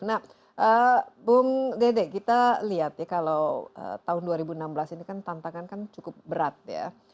nah bung dede kita lihat ya kalau tahun dua ribu enam belas ini kan tantangan kan cukup berat ya